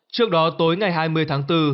trước đó tối ngày hai mươi tháng bốn